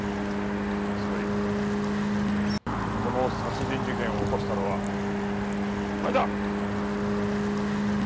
つまりこの殺人事件を起こしたのはお前だ！